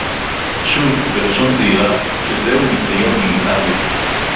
שוב בלשון זהירה, שזהו ניסיון נלעג